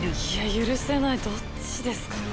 許せないどっちですかね。